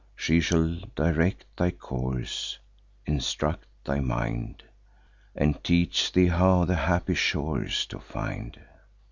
She shall direct thy course, instruct thy mind, And teach thee how the happy shores to find.